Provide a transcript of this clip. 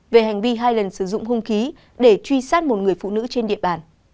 về hành vi hai lần sử dụng hung khí để truy sát một người phụ nữ trên địa bàn